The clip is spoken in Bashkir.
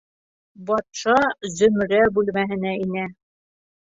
Батша Зөмрә бүлмәһенә инә.